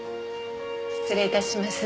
失礼致します。